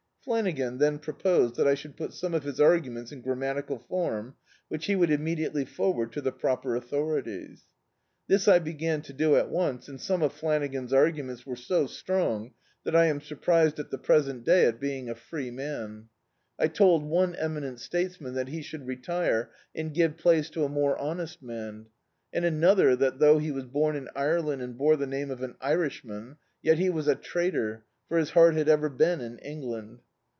Flanagan then proposed that I should put some of his arguments in gram matical form, which he would immediately forward to the proper authorities. This I began to do at once, and some of Flanagan's arguments were so strong that I am surprised at the present day at D,i.,.db, Google London being a free man. I told one eminent statesman that he should retire and give place to a more hon est man, and another that though he was bom in Ireland and bore the name of an Irishman, yet he was a traitor, for bis heart had ever been in Eng land.